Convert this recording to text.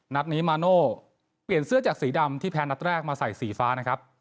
นัดนี้มาโน่เปลี่ยนเสื้อจากสีดำที่แพ้นัดแรกมาใส่สีฟ้านะครับ